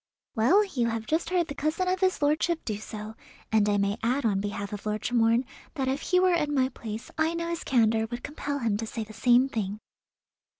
"Well, you have just heard the cousin of his lordship do so, and I may add on behalf of Lord Tremorne that if he were in my place I know his candour would compel him to say the same thing."